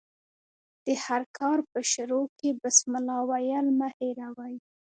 د هر کار په شروع کښي بسم الله ویل مه هېروئ!